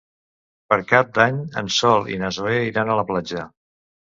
Per Cap d'Any en Sol i na Zoè iran a la platja.